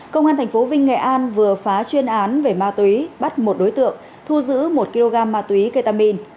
công an tp vinh nghệ an vừa phá chuyên án về ma túy bắt một đối tượng thu giữ một kg ma túy ketamin